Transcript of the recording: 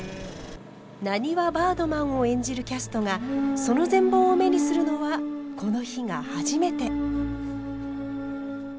なにわバードマンを演じるキャストがその全貌を目にするのはこの日が初めて。